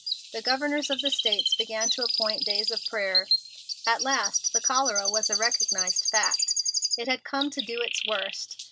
The Governors of the States began to appoint days of prayer. At last the cholera was a recognized fact. It had come to do its worst.